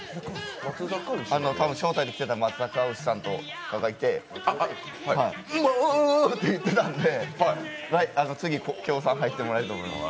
多分、招待できていた松阪牛さんがいてモウ！って言ってたので次、協賛入ってもらえると思います。